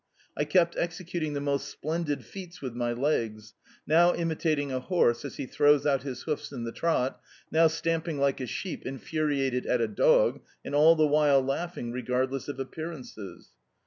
I kept executing the most splendid feats with my legs now imitating a horse as he throws out his hoofs in the trot, now stamping like a sheep infuriated at a dog, and all the while laughing regardless of appearances.